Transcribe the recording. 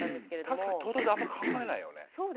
確かにトータルであんま考えないよね。